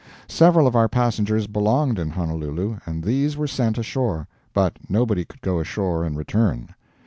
Several of our passengers belonged in Honolulu, and these were sent ashore; but nobody could go ashore and return.